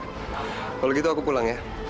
kalau gitu aku pulang ya